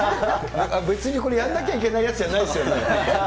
別にこれやんなきゃいけないやつじゃないよね。